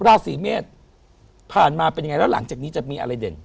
ราศีเมษผ่านมาเป็นยังไงแล้วหลังจากนี้จะมีอะไรเด่น